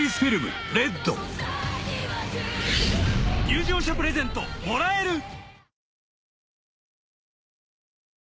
［入場者プレゼントもらえる！］